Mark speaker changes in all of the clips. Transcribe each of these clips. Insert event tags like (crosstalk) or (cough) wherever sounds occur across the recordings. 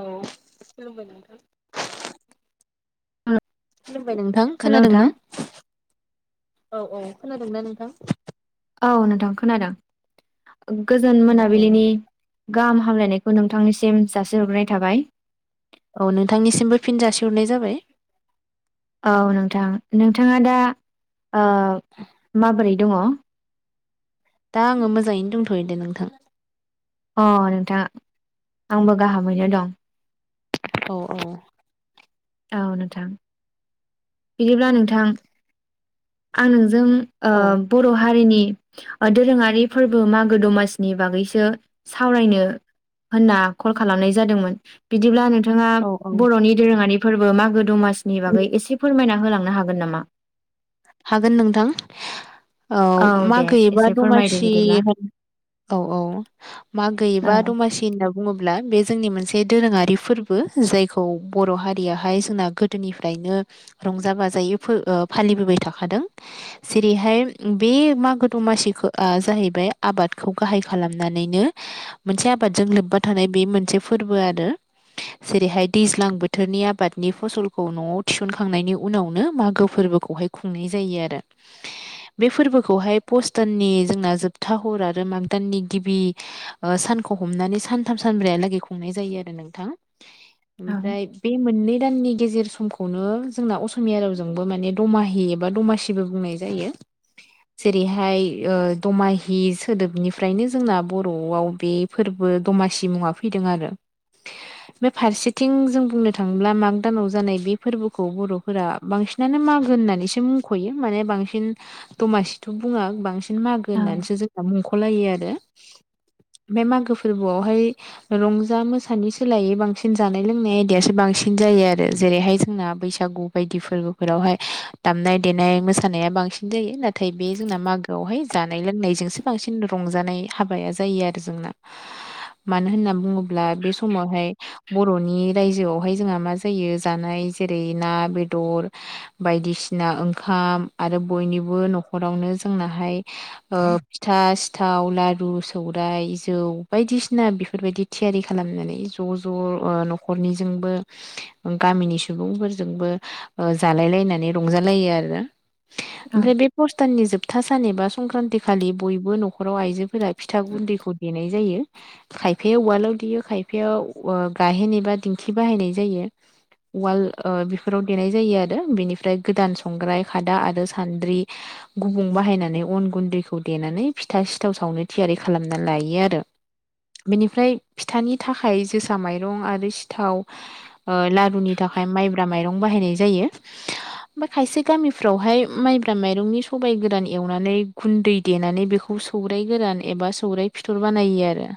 Speaker 1: औ खुलुबाय नोंथां। खुलुमबाय नोंथां,
Speaker 2: हेल'
Speaker 1: खोनादों
Speaker 2: नोंथां
Speaker 1: ना? औ औ। खोनादों ना नोंथां?
Speaker 2: औ नोंथां खोनादों, गोजोन
Speaker 1: औ औ।
Speaker 2: मोनाबिलिनि गाहाम हामलायनायखौ नोंथांनिसिम जासिहरग्रोनाय थाबाय।
Speaker 1: औ नोंथांनिसिमबो फिन जासिहरनाय जाबाय।
Speaker 2: औ नोंथां, नोंथाङा दा ओ माबोरै दङ?
Speaker 1: दा आङो मोजाङैनो दंथयो दे नोंथां।
Speaker 2: अ नोंथां, आंबो गाहामैनो दं।
Speaker 1: औ औ।
Speaker 2: औ नोंथां। बिदिब्ला नोंथां आं नोंजों ओ
Speaker 1: औ
Speaker 2: बर' हारिनि दोरोङारि फोरबो मागो दमसिनि बागैसो सावरायनो होनना कल खालामनाय जादोंमोन। बि दिब्ला नोंथाङा
Speaker 1: औ औ।
Speaker 2: बर'नि दोरोङारि फोरबो मागो दमासनि बागै एसे फोरमायना होना थांनो हागोन नामा?
Speaker 1: हागोन नोंथां। औ,
Speaker 2: दे
Speaker 1: मागोबा एबा
Speaker 2: एसे फोरमायदो
Speaker 1: दमासि
Speaker 2: बिदिब्ला
Speaker 1: होन औ औ, मागो
Speaker 2: औ
Speaker 1: एबा दमासि होनना बुङोब्ला बे जोंनि मोनसे दोरोङारि फोरबो जायखौ बर' हारियाहाय जोंना गोदोनिफ्रायनो रंजा बाजायै फो ओ फालिबोबाय थाखादों जेरैहाय बे मागो दमासिखौ ओ जाहैबाय आबादखौ गाहाय खालामनानैनो मोनसे आबादजों लोब्बा थानाय बे मोनसे फोरबो आरो। जेरैहाय दैज्लां बोथोरनि आबादनि फसलखौ न'आव थिसनखांनायनि उनावनो मागो फोरबोखौहाय खुंनाय जायो आरो। बे फोरबोखौहाय पुस दाननि जोंना जोबथा हर आरो माग दाननि गिबि ओ सा खौ हमनानै सानथाम सानब्रैहालागै खुंनाय जायो आरो नोंथां।
Speaker 2: औ
Speaker 1: ओमफ्राय बे मोननै दाननि गेजेर समखौनो जोंना असमिया रावजोंबो माने दमा हि एबा दमासिबो बुंनाय जायो।
Speaker 2: (inaudible)
Speaker 1: जेरैहाय ओ दमाहि सोदोबनिफ्रायनो जोंना बर'आव बे फोरबो द मासि मुङा फैदों आरो।
Speaker 2: (inaudible)
Speaker 1: बे फारसेथिं जों बुंनो थाङोब्ला माग दानाव जानाय बे फोरबोखौ बर'फोरा बांसिनानो मागोन होननानै एसे मुंख'यो माने बांसिन दमासिथ' बुङा बांसिन मागो
Speaker 2: औ
Speaker 1: होननानैसो जोंना मुंख'लायो आरो। बे मागो फोरबोयावहाय रंजा मोसानि सोलायै बांसिन जानाय लोंनाय आयदायासो बां सिन जायो आरो जेरैहाय जोंना बैसागु बायदि फोरबोफोरावहाय दामनाय देनाय मोसानाया बांसिन जायो नाथाय बे जोंना मागोयावहाय जानाय लोंनायजोंसो बांसिन रंजानाय हाबाया जायो आरो जोंना। मानो होनना बुङोब्ला बे समावहाय बर'नि रायजोआवहाय जोंहा मा जायो जानाय जेरै ना बेदर बायदिसि ना ओंखाम आरो बयनिबो न'खरावनो जोंनाहा ओ फिथा सिथा आव लारु सौराय जौ बायदिसिना बेफोरबायदि थियारि खालामनानै ज' ज' ओ नखरनिजोंबो गामिनि सुबुंफोरजोंबो ओ जालाय लायनानै रंजालायो आरो।
Speaker 2: औ
Speaker 1: ओमफ्राय ऐ पस दाननि जोब था सान एबा संक्रान्तिखालि बयबो न'खराव आइजोफोरा फिथा गुन्दैखौ देनाय जायो। खायफाया उवालाव देयो खायफाया गाहेन एबा दिंखि बाहायनाय जायो। उवाल ओ बेफोराव देनाय जायो आरो बेनिफ्राय गोदान संग्राय खादा आरो सान्द्रि गुबुं बाहायनानै अन गुन्दैखौ देनानै फिथा सिथाव सावनो थियारि खालामना लायो आरो। बेनिफ्राय फिथानि थाखाय जोसा माइरं आरो सिथाव ओ लारुनि थाखाय माइब्रा माइरं बाहायनाय जायो बा खायसे गामिफ्रावहाय माइब्रा माइरंनि सबाइ गोरान एवनानै गुन्दै देनानै बेखौ सौराइ गोरान एबा सौराइ फिथर बानायो आरो।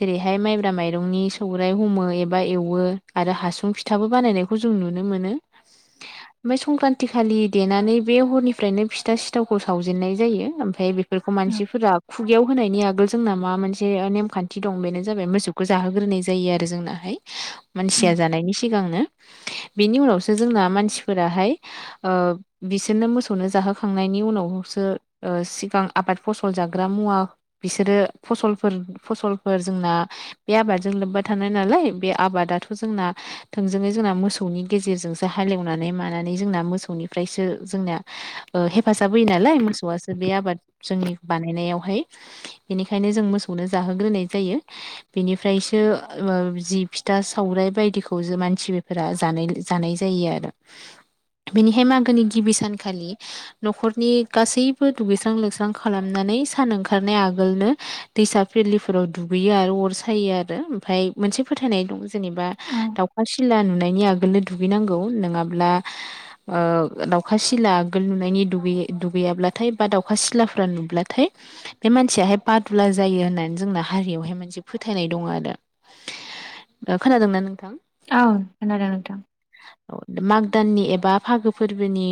Speaker 1: जेरैहाय माइब्रा माइरंनि सौराइ हमो एबा एवो आरो हासुं फिथाबो बानायनायखौ जों नुनो मोनो।
Speaker 2: (inaudible)
Speaker 1: ओमफ्राय संक्रान्ति खालि देनानै बे हरनिफ्रायनो फिथा सिथावखौ सावजेननाय जायो। ओमफ्राय बे फोरखौ
Speaker 2: औ
Speaker 1: मानसिफोरा खुगायाव होनायनि आगोल जोंना मा मोनसे नेमखान्थि दं बेनो जाबाय मोसौखौ जाहोग्रोनाय जायो आरो जोंनाहाय मानसिया जानायनि सिगांनो। बेनि उनावसो जोंना मानसि फोराहाय ओ बिसोरनो मोसौनो जाहोखांनायनि उनावसो ओ सिगां आ बाद फसल जाग्रा मुवा बिसोरो फसलफोर फसलफोर जोंना बे आबादजों लोब बा थानाय नालाय, बे आबादाथ' जोंना थोंजोङै जोंना मोसौनि गेजेरजोंसो हालेवनानै मानानै जोंना मोसौनिफ्रायसो जोंना हेफाजाब होयो नालाय मोसौआसो बे आबाद जोंनि बानायनायावहाय। बेनिखायनो जों मोसौनो जाहोग्रोनाय जायो। बेनिफ्रायसो ओ जि फिथा सौराइ बायदिखौ जो मानसिफोरा जानाय जानाय जायो आरो।
Speaker 2: (inaudible)
Speaker 1: बेनिहाय मागोनि गिबि सानखालि न'खरनि गासैबो दुगैस्रां लोबस्रां खालामनानै सान ओंखारनाय आगोलनो दैसा बिलोफोराव दुगैयो आरो अर सायो आरो। ओमफ्राय मोनसे फोथायनाय दं जेनेबा दाउखा सिला नुनायनि आगोलनो दुगैनांगौ नोङाब्ला ओ दाउखा सिला आगोल नुनायनि दुगै दुगैयाब्लाथाय बा दाउखा सिलाफ्रा नुब्लाथाय बे मानसियाहाय बादुला जायो होननानै जोंना हारियावहाय मोनसे फोथायनाय दङ आरो।
Speaker 2: (inaudible)
Speaker 1: खोनादोंं ना नों?
Speaker 2: औ खोनादों नोंथां।
Speaker 1: माग दाननि एबा फागो फोरबोनि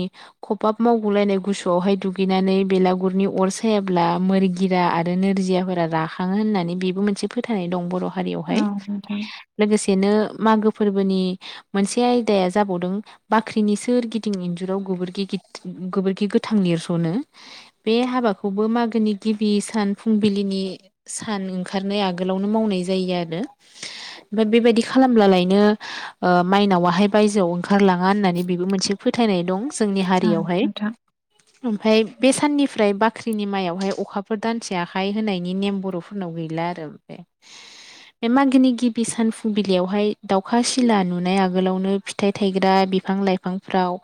Speaker 1: खबाब मावगुलायनाय गुसुआवहाय दुगैनानै बेला गुरनि अर सायाब्ला मोरगिरा आरो नोरजियाफोरा राखाङो होननानै बेबो मोनसे फोथायनाय दं बर'
Speaker 2: औ
Speaker 1: हारियावहाय।
Speaker 2: नोंथां
Speaker 1: लोगोसेनो मागो फोरबोनि मोनसे आयदाया जाबावदों बाख्रिनि सोर गिदिं इन्जुराव गोबोरखि गोबोरखि गोथां लिरस'नो। बे हाबाखौबो मागोनि गिबि सान फुंबिलिनि सान ओंखारनाय आगोलावनो मावनाय जायो आरो ओमफ्राय बेबायदि खालामब्लालायनो ओ माइनावाहाय बायजोआव ओंखारलाङा होननानै बेबो मोनसे फोथायनाय दं जोंनि
Speaker 2: औ
Speaker 1: हारियावहाय।
Speaker 2: नोंथां
Speaker 1: ओमफ्राय बे साननिफ्राय बाख्रिनि माइायावहाय अखाफोर दानसे आखाइ होनायनि नेम बर'फोरनाव गैला आरो बेे। बे मागोनि गिबि सान फुंबिलियावहाय दाउखा सिला नुनाय आगोलावनो फिथाइ थायग्रा बिफां लाइफांफ्राव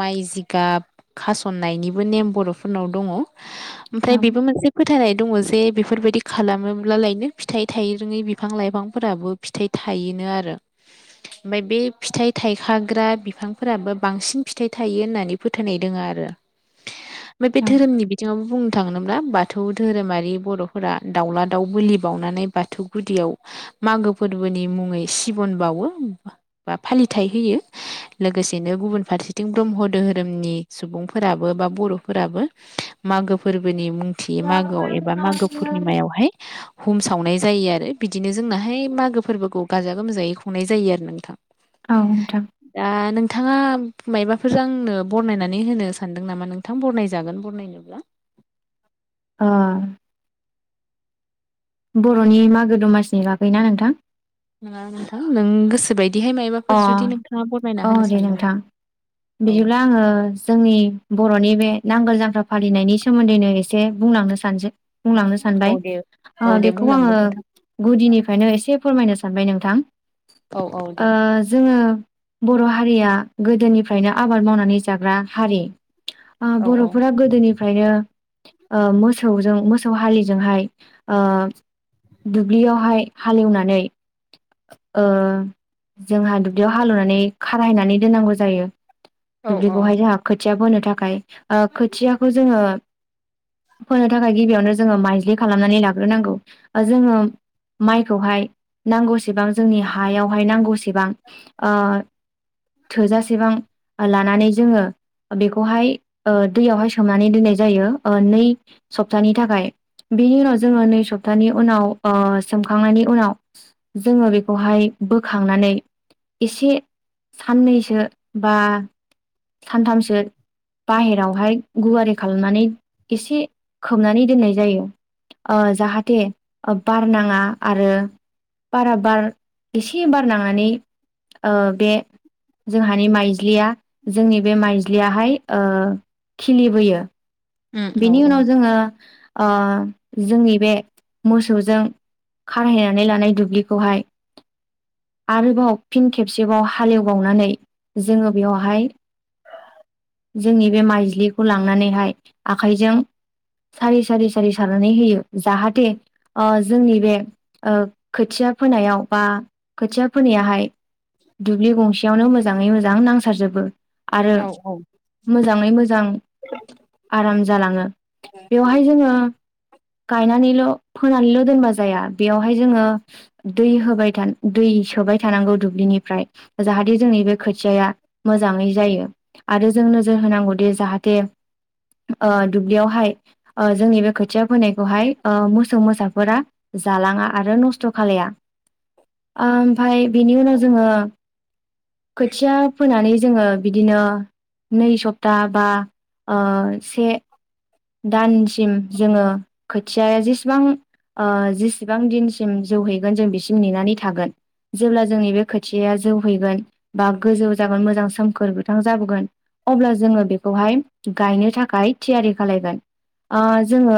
Speaker 1: माइ जिगाब खासननायनिबो नेम बर' फोरनाव दंङ।
Speaker 2: औ
Speaker 1: ओमफ्राय बेबो मोनसे फोथायनाय दङ जे बेफोरबायदि खालामोब्ला लायनो फिथाइ थायरोङै बिफां लाइफांफोराबो फिथाइ थायो नो आरो। ओमफ्राय बे फिथाइ थाइखाग्रा बिफांफोराबो बांसिन फिथाइ थायो होननानै फोथायनाय दङ आरो। ओमफ्राय बे धोरोमनि बिथिङावबो बुं नो थाङोब्ला बाथौ धोरोमारि बर'फोरा दाउला दाउ बोलि बाउनानै बाथौ गुदियाव मागो फोरबोनि मुङै सिबन बाउवो बा फालिथाय होयो लोगोसेनो गुबुन फारसेथिं ब्रह्म दोहोरोमनि सुबुंफोराबो बा बर'फोराबो मागो फोरबोनि मुंथि मागोआव एबा
Speaker 2: औ
Speaker 1: मागो पुर्निमायावहाय बुम सावनाय जायो आरो बिदिनो जोंनाहाय मागो फोरबोखौ गाजा गोमजायै खुंनाय जायो आरो नोंथां
Speaker 2: औ नोंथां
Speaker 1: दा नोंथाङा मबाफोरजों आंनो बरनायनानै होनो सानदों नामा नोंथां बनायजागोन बरनायनोब्ला
Speaker 2: ओ बर'नि मागो दमसिनि बागै ना नोंथां
Speaker 1: नङा नोंथां नों गोसो बायदिहाय
Speaker 2: अ
Speaker 1: मायबाफोर जुदि नोंथाङा बरमायना
Speaker 2: औ
Speaker 1: होनो
Speaker 2: दे
Speaker 1: सानदों
Speaker 2: नोंथां
Speaker 1: औ
Speaker 2: बिदिब्ला आङो जोंनि बर'नि बे नांगोल जां ख्रा फालिनायनि सोमोन्दैनो एसे बुंलांनो सानसै बुंलांनो
Speaker 1: औ
Speaker 2: सानबाय
Speaker 1: दे औ दे
Speaker 2: बेखौ आङो
Speaker 1: बुंलांदो नोंथां
Speaker 2: गुदिनिफ्रायनो एसे फोरमायनो सानबाय नोंथां
Speaker 1: औ औ दे
Speaker 2: ओ जोङो बर' हारिया गोदोनिफ्रायनो आबाद मावनानै जाग्रा हारि ओ
Speaker 1: औ औ
Speaker 2: बर'फोरा गोदोनिफ्रायनो ओ मोसौजों मोसौ हलिजोंहाय ओ दुब्लियावहाय हालेवनानै ओ जोंहा दुब्लियाव हालेवनानै खारायनानै दोननांगौ जायो
Speaker 1: औ औ
Speaker 2: दुब्लिखौहाय जोंहा खो खोथिया बोनो थाखाय ओ खोथियाखौ जोङो फोनो थाखाय गिबियावनो जोङो माइज्लि खालामनानै लाग्रोनांगौ जोङो माइखौहाय नांगौसेबां जोंनि हायावहाय नांगौसेबां ओ थोजासेबां लानानै जोङो बेखौहाय ओ दैयावहाय सोमनानै ओ दोननाय जायो नै सप्तानि थाखाय बेनि उनाव जोङो नै सप्तानि उनाव ओ सोमखांनायनि उनाव जोङो बेखौहाय बोखांनानै एसे साननैसो बा सानथामसो बाहेरावहाय गुवारि खालामनानै एसे खोबनानै दोननाय जायो ओ जाहाथे बार नाङा आरो बारा बार एसे बार नांनानै ओ बे जोंहानि माइज्लिया जोंनि बे माइज्लिया हाय ओ खिलिबोयो
Speaker 1: उम औ
Speaker 2: बिनि उनाव जोङो ओ जोंनि बे मोसौजों खारहैनानै लानाय दुब्लिखौहाय आरोबाव फिन खेबसेबाव हालेवबावनानै जोङो बेयावहाय जोंनि बे माइज्लिखौ लांनानैहाय आखाइजों सारि सारि सारि सारनानै होयो जाहाथे ओ जोंनि बे खोथियाव खोथिया फोनायाव बा खोथिया फोनायाहाय दुब्लि गंसेयावनो मोजाङै मोजां नांसारजोबो आरो
Speaker 1: औ औ
Speaker 2: मोजाङै मोजां आराम जालाङो बेवहाय जोङो गाय नानै' फोनानैल' दोनबा जाया बेयावहाय जोङो दै होबाय था दै सोबाय था सोनांगौ दुब्लिनिफ्राय जाहाथे जोंनि बे खोथिया मोजाङै जायो आरो जों नोजोर होनो नांगौ दे जाहाथे ओ दुब्लियावहाय ओ जोंनि बे खोथिया फैनायखौहाय ओ मोसौ मोसाफोरा जालाङा आरो नस्थ' खालाया ओमफ्राय बेनि उनाव जोङो खोथिया फोनानै जोङो बिदिनो नै सप्ता बा ओ से दानसिम जोङो खोथियाया जेसेबां ओ जेसिबां दिनसिम जौहैगोन जों बिसिम नेनानै थागोन जेब्ला जोंनि बे खोथियाया जौहैगोन बा गोजौ जागोन मोजां सोमखोर गोथां जाबोगोन अब्ला जोङो बेखौहाय गायनो थाखाय थियारि खालायगोन ओ जोङो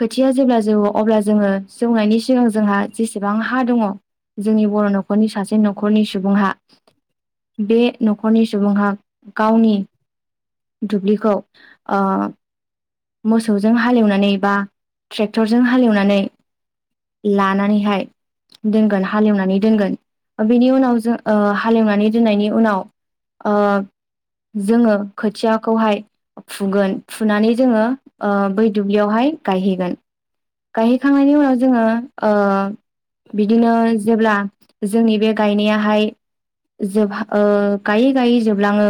Speaker 2: खोथिया जेब्ला जौ अब्ला जोङो जौनायनि सिगां जोंहा जेसेबां हा दङ जोंनि बर' न'खरनि सासे न'खरनि सुबुंहा बे न'खरनि सुबुंहा गावनि दुब्लिखौ ओ मोसौजों हालेवनानै बा ट्रेक्टरजों हालेवनानै लानानैहाय दोनगोन हालेवनानै दोनगोन। ओ बेनि उनाव जो ओ हालेवनानै दोननायनि उनाव ओ जोङो खोथियाखौहाय फुगोन फुनानै जोङो ओ बै दुब्लियावहाय गायहैगोन। गायहैखांनायनि उनाव जोङो ओ बिदिनो जेब्ला जोंनि बे गायनायाहाय जोबहा ओ गायै गायै जोबलाङो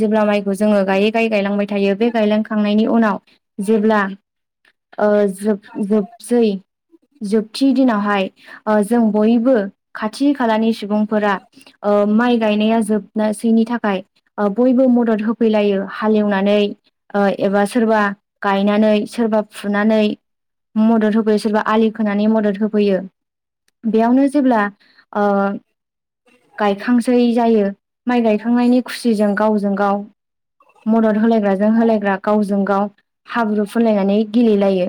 Speaker 2: जेब्ला माइखौ जोङो गायै गायै गायलांबाय थायो बे गायलांखांनायनि उनाव जेब्ला ओ जोब-जोबसै जोबथि दिनावहाय ओ जों बयबो खाथि खालानि सुबुंफोरा ओ माइ गायनाया जोबनोसैनि थाखाय ओ बयबो मदद होफैलायो हालेवनानै ओ एबा सोरबा गायनानै सोरबा फुनानै मदद होफैयो सोरबा आलि खोनानै मदद होफैयो। बेयावनो जेब्ला ओ गायखांसै जायो माइ गायखांनायनि खुसिजों गावजों गाव मदद होलायग्राजों होलाय ग्रा गावजों गाव हाब्रु फुनलायनानै गेलेलायो।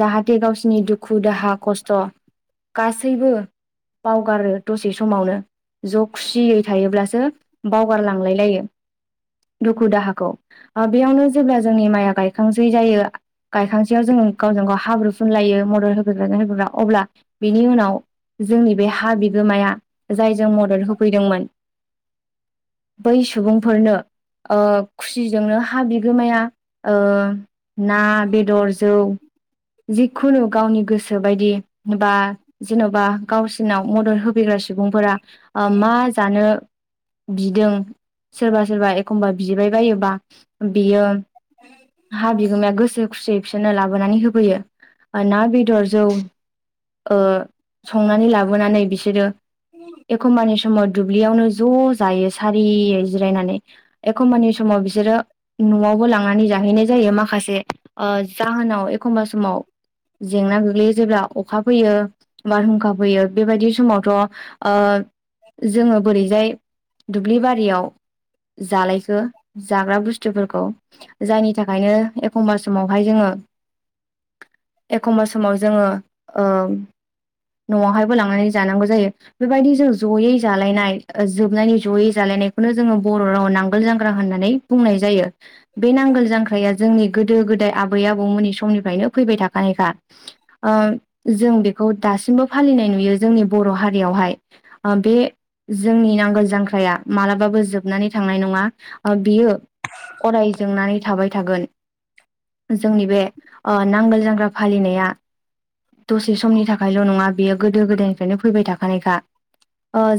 Speaker 2: जाहाथे गावसिनि दुखु दाहा खस्थ' गासैबो बावगारो दसे समावनो। ज' खुसियै थायोब्लासो बावगारलांलाय लायो दुखु दाहाखौ। ओ बेयावनो जेब्ला जोंनि माइआ गायखांसै जायो गायखांसैयाव जोंङो गावजों गाव हाब्रु फुनलायो मदद होफैग्राजों होग्रा अब्ला बिनि उनाव जोंनि बे हा बिगोमाया जायजों मदद होफैदोंमोन बै सुबुंफोरनो ओ खुसिजोंनो हा बि गोमाया ओ ना बेदर जौ जिखुनु गावनि गोसो बायदि बा जेन'बा गावसिनाव मदद होफैग्रा सि सुबुंफोरा ओ मा जानो बिदों सोरबा सोरबा एखमबा बिबायबायोबा बियो हा बिगोमाया गोसो खुसि बिसोरनो लाबोनानै होफैयो। ना बेदर जौ ओ संनानै लाबोनानै बिसोरो एखमबानि समाव दुब्लियावनो ज' जायो सारियै जिरायनानै। एखमबानि समाव बिसोरो न'आवबो लांनानै जाहैनाय जायो माखासे ओ जाहोनाव एखमबा समाव जेंना गोग्लैयो जेब्ला अखा फैयो बारहुंखा फैयो बेबायदि समावथ' ओ जोङो बोरैजाय दुब्लि बारियाव जालायखो? जाग्रा बुस स्थुफोरखौ जायनि थाखायनो एखनबा समावहाय जोङो एखमबा समाव जोङो ओ न'आवहायबो लांनानै जानांगौ जायो बेबायदि जों जयै जालायनाय जोबनायनि जयै जालाय नायखौनो जोंङो बर'राव नांगोल जांख्रा होननानै बुंनाय जायो। बे नांगोल जांख्राया जोंनि गोदो गोदाय आबै आबौमोननि समनिफ्रायनो फैबाय थाखानायखा। ओ जों बेखौ दासिमबो फालिनाय नुयो जोंनि बर' हारियावहाय आं बे जोंनि नांगोल जांख्राया मालाबाबो जोबनानै थांनाय नङा। ओ बियो अराय जोंनानै थाबाय थागोन जोंनि बे ओ नांगोल जांग्रा फालिनाया दसे समनि थाखायल' नङा बेयो गोदो गोदायनिफ्रायनो फैबाय थाखानायखा। ओ